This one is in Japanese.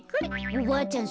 おばあちゃん